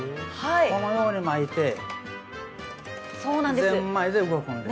このように巻いて、ぜんまいで動くんです。